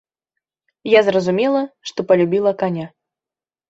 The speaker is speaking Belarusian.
Я зразумела, што палюбіла каня.